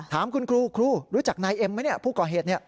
ถามคุณครูครูรู้จักนายเอ็มไหมเนี่ยผู้ก่อเหตุ